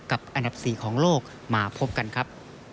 อันดับ๔ของโลกมาพบกันครับ